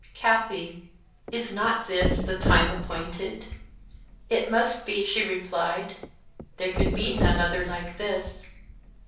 Kathie, is not this 'the time appointed'?" "It must be," she replied; "there could be none other like this!"